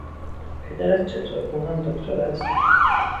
پدرت چطور، او هم دکتر است؟